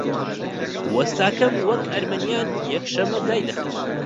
وەستاکەم وەک ئەرمەنییان یەکشەممە دایدەخست